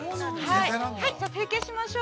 成形しましょう。